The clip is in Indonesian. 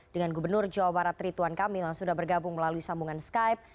dengan gubernur jawa barat rituan kamil yang sudah bergabung melalui sambungan skype